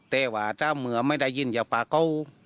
แต่ก็พ่อสามารถไม่ได้ยินไปกับฝั่ง